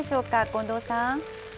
近藤さん。